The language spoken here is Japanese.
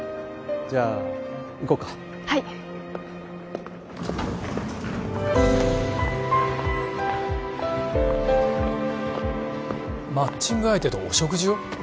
じゃあ行こうかはいマッチング相手とお食事を？